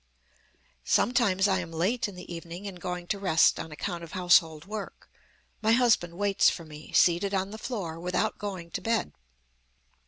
"Sometimes I am late in the evening in going to rest on account of household work. My husband waits for me, seated on the floor, without going to bed.